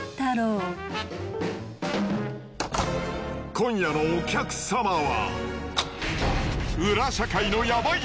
今夜のお客様は。